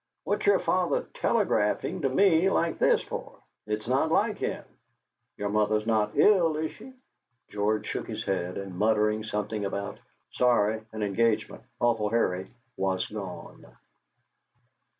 What's your father telegraphing to me like this for? It's not like him. Your mother's not ill, is she?" George shook his head, and muttering something about "Sorry, an engagement awful hurry," was gone.